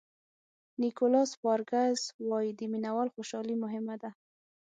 نیکولاس سپارکز وایي د مینه وال خوشالي مهمه ده.